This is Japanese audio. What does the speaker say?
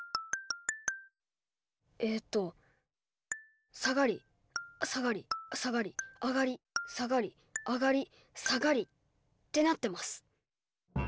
えっと下がり下がり下がり上がり下がり上がり下がりってなってます。